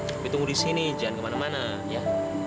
tapi tunggu disini jangan kemana mana ya